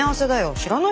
知らないの？